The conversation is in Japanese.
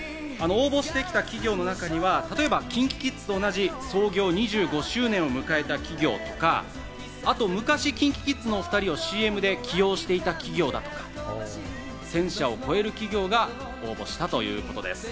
応募してきた企業の中には例えばＫｉｎＫｉＫｉｄｓと同じ創業２５周年を迎えた企業とか、あと、昔ＫｉｎＫｉＫｉｄｓのお２人をＣＭで起用していた企業だとか、１０００社を超える企業が応募したということです。